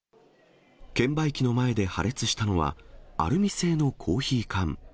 券売機の前で破裂したのは、アルミ製のコーヒー缶。